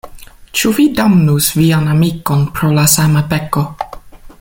Ĉu vi damnus vian amikon pro la sama peko?